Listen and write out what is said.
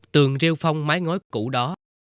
tường rêu phong mái ngói cũ đó